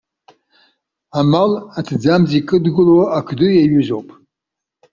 Амал аҭӡамц икыдгылоу ақды иаҩызоуп.